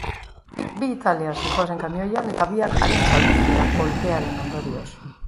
Bi italiar zihoazen kamioian, eta biak arin zauritu dira, kolpearen ondorioz.